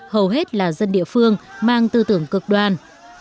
hầu hết là dân địa phương mang tư tưởng cực đoan